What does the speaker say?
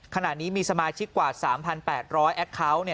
ขณะนี้มีสมาชิกกว่า๓๘๐๐แอคเคาน์